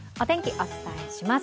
お伝えします。